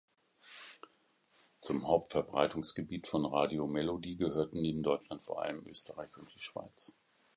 Zum Hauptverbreitungsgebiet von Radio Melodie gehörten neben Deutschland vor allem Österreich und die Schweiz.